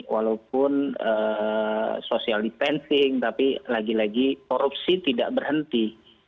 walaupun social distancing tapi lagi lagi korupsi tidak berhenti